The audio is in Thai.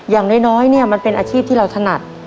อย่างน้อยเนี่ยมันเป็นอาชีพที่เราถนัด